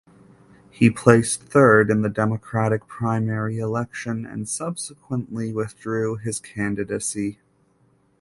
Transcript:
He placed third in the Democratic primary election and subsequently withdrew his candidacy.